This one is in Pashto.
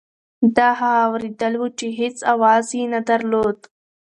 دا هغه اورېدل وو چې هېڅ اواز یې نه درلود.